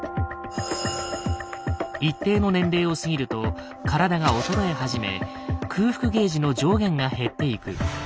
一定の年齢を過ぎると体が衰え始め空腹ゲージの上限が減っていく。